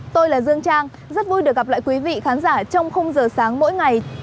tôi là dương trang rất vui được gặp lại quý vị khán giả trong khung giờ sáng mỗi ngày